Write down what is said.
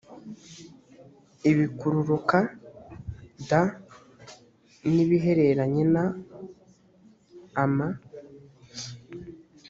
ibikururuka d n ibihereranye n ama